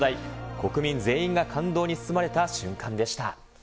国民全員が感動に包まれた瞬間でした。